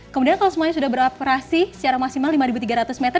kemudian kalau semuanya sudah beroperasi secara maksimal lima tiga ratus meter